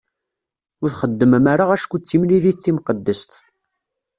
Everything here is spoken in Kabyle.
Ur txeddmem ara acku d timlilit timqeddest.